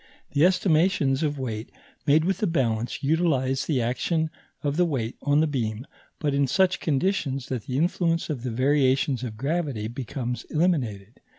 The estimations of weight made with the balance utilize the action of the weight on the beam, but in such conditions that the influence of the variations of gravity becomes eliminated.